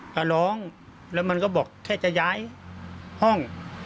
ก็ร้องแล้วมันก็บอกแค่จะย้ายห้อง